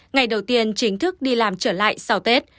ngày đầu tiên chính thức đi làm trở lại sau tết